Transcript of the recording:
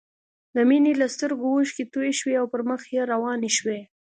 د مينې له سترګو اوښکې توې شوې او پر مخ يې روانې شوې